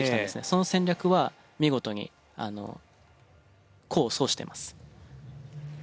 その戦略は見事に功を奏してます。